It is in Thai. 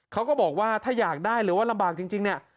เขาก็บอกว่าถ้าอยากได้หรือว่าลำบากจริงเนี่ย